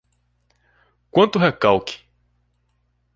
Quanto recalque